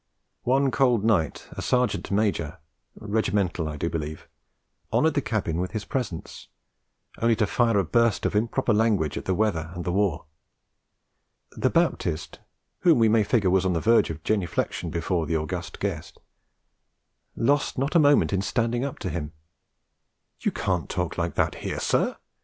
One cold night a Sergeant Major Regimental, I do believe honoured the cabin with his presence, only to fire a burst of improper language at the weather and the war. The Baptist, whom we may figure on the verge of genuflexion before the august guest, lost not a moment in standing up to him. 'You can't talk like that here, sir!'